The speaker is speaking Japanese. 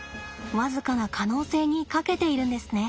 僅かな可能性にかけているんですね。